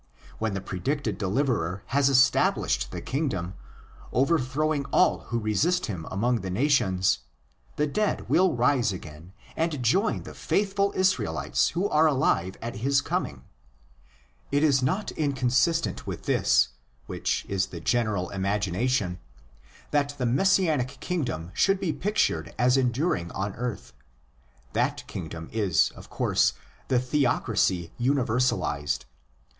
When the predicted deliverer has established the kingdom, overthrowing all who resist him among "' the nations," the dead will rise again and join the faithful Israelites who are alive at hiscoming. It is notinconsistent with this, which 18 the general imagination, that the Messianic kingdom should be pictured as enduring on earth. That ALEXANDRIAN JUDAISM 15 kingdom is, of course, the theocracy universalised.